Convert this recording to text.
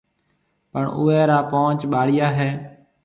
پڻ اُوئي را پونچ ٻاݪيا هيَ۔